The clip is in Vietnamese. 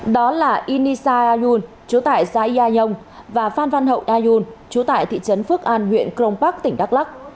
đó là inisa ayun chú tại giai a nhong và phan phan hậu ayun chú tại thị trấn phước an huyện cron park tỉnh đắk lắc